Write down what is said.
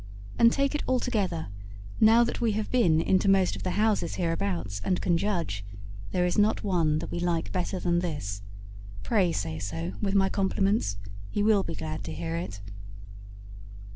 And take it altogether, now that we have been into most of the houses hereabouts and can judge, there is not one that we like better than this. Pray say so, with my compliments. He will be glad to hear it."